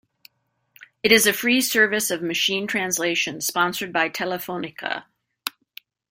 It is a free service of machine translation sponsored by Telefónica.